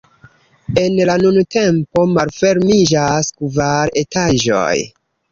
En la nuntempo malfermiĝas kvar etaĝoj.